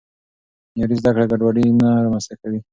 معیاري زده کړه ګډوډي نه رامنځته کوي.